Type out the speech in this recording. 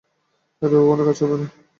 এতে কখনোই কাজ হবে না।